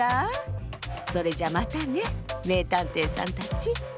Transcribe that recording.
それじゃまたねめいたんていさんたち。